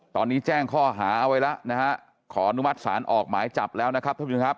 ตอนนี้แจ้งข้อหาเอาไว้แล้วนะฮะขออนุมัติศาลออกหมายจับแล้วนะครับท่านผู้ชมครับ